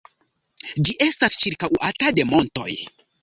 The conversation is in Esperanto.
Ĝi estas ĉirkaŭata de montoj.